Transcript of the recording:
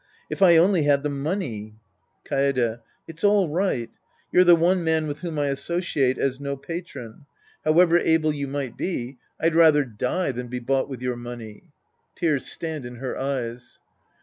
If I only had the money ! Kaede. It's all right. You're the one man with whom I associate as no patron. However able you Sc. I The Priest and His Disciples 139 might be, I'd rather die than be bought with your money. (Tears stand in her eyes.)